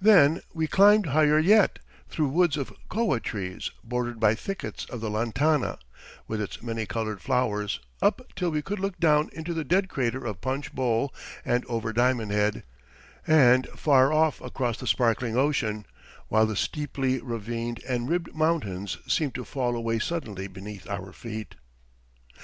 Then we climbed higher yet, through woods of koa trees, bordered by thickets of the lantana, with its many coloured flowers, up till we could look down into the dead crater of Punchbowl and over Diamond Head, and far off across the sparkling ocean, while the steeply ravined and ribbed mountains seemed to fall away suddenly beneath our feet.